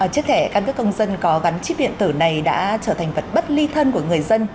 chức thể căn cứ công dân có gắn chip điện tử này đã trở thành vật bất ly thân của người dân